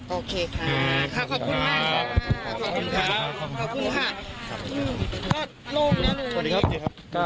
โอเคค่ะขอบคุณมาก